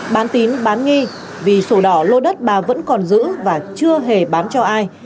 bán tín bán nghi vì sổ đỏ lô đất bà vẫn còn giữ và chưa hề bán cho ai